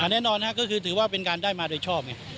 แน่นอนก็คือถือว่าเป็นการได้มาโดยชอบไง